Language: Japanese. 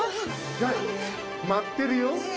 待ってるよ。